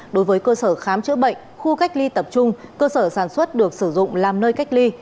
đối với cơ sở khám chữa bệnh khu cách ly tập trung cơ sở sản xuất được sử dụng làm nơi cách ly